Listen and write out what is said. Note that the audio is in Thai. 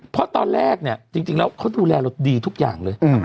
เพราะตอนแรกเนี่ยจริงแล้วเขาดูแลเราดีทุกอย่างเลย